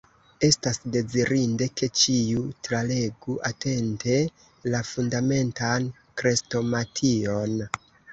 Estas dezirinde, ke ĉiu, tralegu atente la Fundamentan Krestomation.